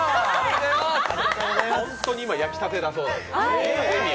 本当に今、焼きたてだそうです。